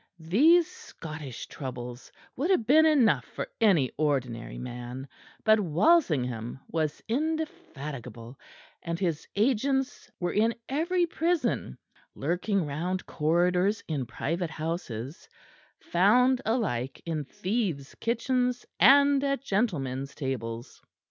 These Scottish troubles would have been enough for any ordinary man; but Walsingham was indefatigable, and his agents were in every prison, lurking round corridors in private houses, found alike in thieves' kitchens and at gentlemen's tables.